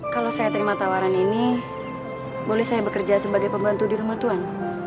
kalau saya terima tawaran ini boleh saya bekerja sebagai pembantu di rumah tuhan